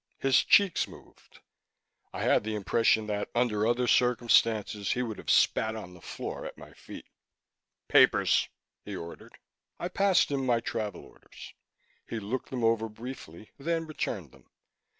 His cheeks moved; I had the impression that, under other circumstances, he would have spat on the floor at my feet. "Papers!" he ordered. I passed him my travel orders. He looked them over briefly, then returned them.